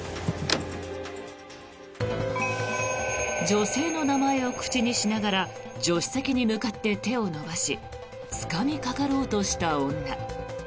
女性の名前を口にしながら助手席に向かって手を伸ばしつかみかかろうとした女。